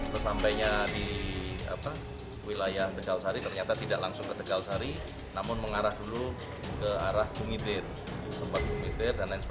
sesampainya di wilayah degalsari ternyata tidak langsung ke degalsari namun mengarah dulu ke arah bungitir